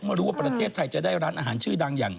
รู้ว่าประเทศไทยจะได้ร้านอาหารชื่อดังอย่าง